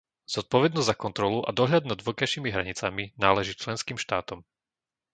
Zodpovednosť za kontrolu a dohľad nad vonkajšími hranicami náleží členským štátom.